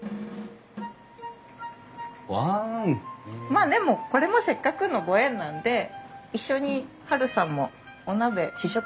まあでもこれもせっかくのご縁なんで一緒にハルさんもお鍋試食会に参加しません？